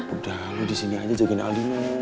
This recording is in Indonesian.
udah lo disini aja jagain al dino